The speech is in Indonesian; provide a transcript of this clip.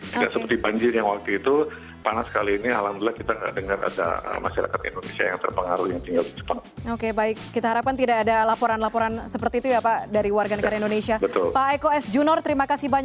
tidak seperti banjir yang waktu itu panas kali ini alhamdulillah kita enggak dengar ada masyarakat indonesia yang terpengaruh yang tinggal di jepang